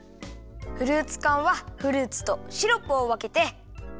フルーツかんはフルーツとシロップをわけて。